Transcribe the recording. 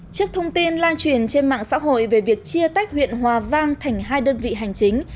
trước thông tin lan truyền trên mạng xã hội về việc chia tách huyện hòa vang thành hai đơn vị hành chính